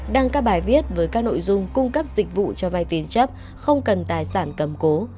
đăng các bài viết với các nội dung cung cấp dịch vụ cho vay tiền chấp không cần tài sản cầm cố